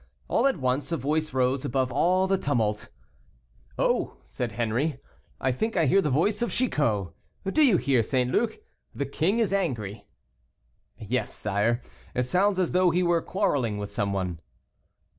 All at once a voice rose above all the tumult. "Oh!" said Henri, "I think I hear the voice of Chicot; do you hear, St. Luc? the king is angry." "Yes, sire, it sounds as though he were quarreling with some one."